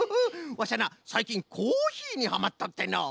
ワシはなさいきんコーヒーにハマっとってのう。